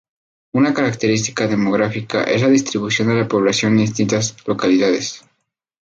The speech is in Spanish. Una característica demográfica es la distribución de la población en distintas localidades.